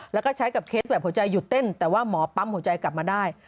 แล้วก็ใช้กับเคสแบบหัวใจหยุดเต้นแต่ว่าหมอปั๊มหัวใจกลับมาได้